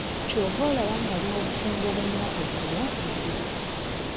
Ky'ova olaba nga n'obufumbo bwe nnaku zino buzibu.